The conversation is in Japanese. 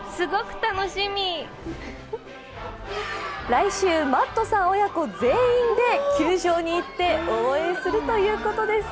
来週、マットさん親子全員で球場に行って応援するということです。